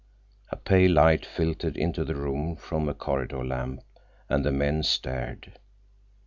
A pale light filtered into the room from a corridor lamp, and the men stared.